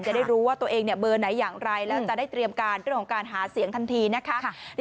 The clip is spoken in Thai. จะได้รู้ว่าตัวเองเบอร์ไหนอย่างไรแล้วจะได้เตรียมการเรื่องของการหาเสียงทันทีนะคะ